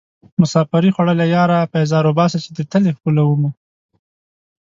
مسافرۍ خوړليه ياره پيزار اوباسه چې دې تلې ښکلومه